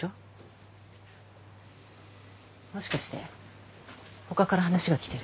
もしかして他から話が来てる？